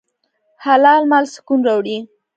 حلال مال سکون راوړي.